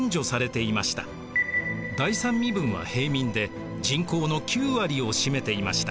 第三身分は平民で人口の９割を占めていました。